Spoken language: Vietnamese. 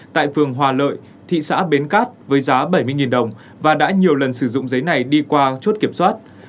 tại phường hòa lợi thị xã bến cát với giá bảy mươi đồng và đã nhiều lần sử dụng giấy này đi qua chốt kiểm soát